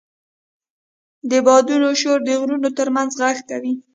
د بادونو شور د غرونو تر منځ غږ کوي.